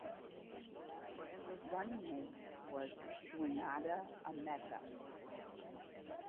His running mate was Chinedu Emeka.